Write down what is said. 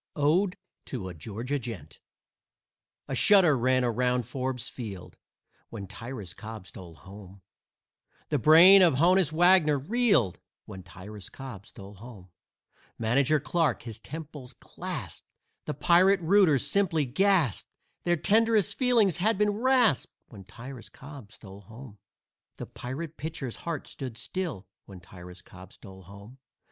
ODE TO A GEORGIA GENT A shudder ran around Forbes Field When Tyrus Cobb stole home. The brain of Honus Wagner reeled When Tyrus Cobb stole home. Manager Clarke his temples clasped, The Pirate rooters simply gasped Their tenderest feelings had been rasped When Tyrus Cobb stole home. The Pirate pitcher's heart stood still When Tyrus Cobb stole home.